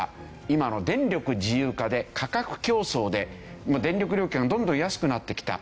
今の電力自由化で価格競争で電力料金がどんどん安くなってきた。